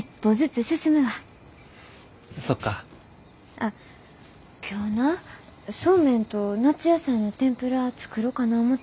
あっ今日なそうめんと夏野菜の天ぷら作ろかな思てんねんけど。